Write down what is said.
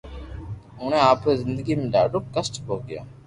اوڻي آپري زندگي ۾ ڌاڌو ڪسٽ ڀوگيو